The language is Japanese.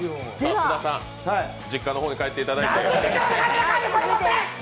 津田さん、実家の方に帰っていただいて。